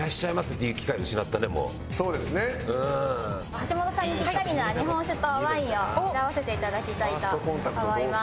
橋本さんにピッタリな日本酒とワインを選ばせていただきたいと思います。